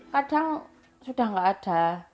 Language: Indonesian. kadang sudah tidak ada